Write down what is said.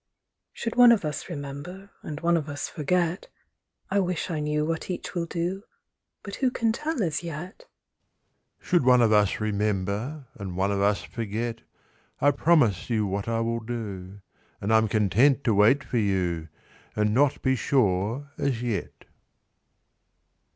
"Should one of us remember, And one of us forget, I wish I knew what each will do But who can tell as yet?" "Should one of us remember, And one of us forget, I promise you what I will do And I'm content to wait for you, And not be sure as yet."